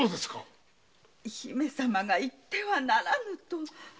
姫様が言ってはならぬと。